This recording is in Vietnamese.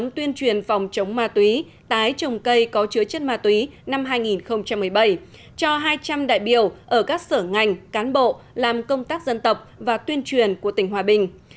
tổ chức hội nghị